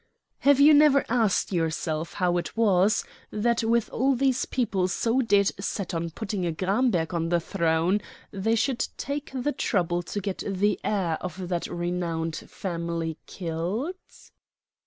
"Have you never asked yourself how it was that with all these people so dead set on putting a Gramberg on the throne they should take the trouble to get the heir of that renowned family killed?"